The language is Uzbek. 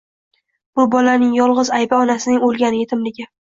Bu bolaning yolg'iz aybi onasining o'lgani, yetimligi.